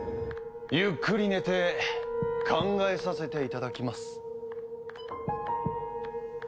ゆっくり寝て考えさせていただきます。